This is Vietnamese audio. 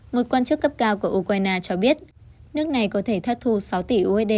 một quan chức cấp cao của ukraine cho biết nước này có thể thất thu sáu tỷ usd